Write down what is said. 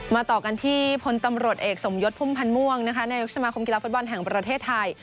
มาต่อกันที่พลตำรวจเอกสมยศภูมิพันธ์ม่วงในยุคสมคมกีฬาฟอตบอลแห่งประเทศไทย